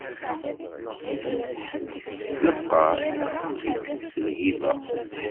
Lefqeṛ itekkes lhiba.